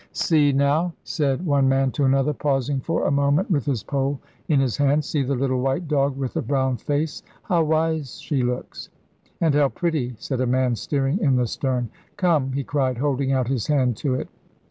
'See now,' said one man to another, pausing for a moment with his pole in his hand 'see the little white dog with the brown face, how wise she looks!' 'And how pretty!' said a man steering in the stern. 'Come!' he cried, holding out his hand to it.